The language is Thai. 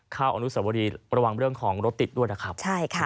ข้าวอนุสบดีประวังเรื่องของรถติดด้วยนะครับ